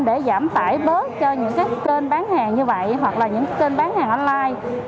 bộ y tế sẽ giảm tải bớt cho những kênh bán hàng như vậy hoặc là những kênh bán hàng online